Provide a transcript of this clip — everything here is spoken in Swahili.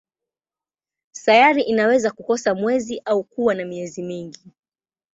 Sayari inaweza kukosa mwezi au kuwa na miezi mingi.